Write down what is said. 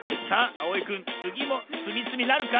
あおいくんつぎもつみつみなるか？